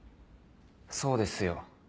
そうですよ。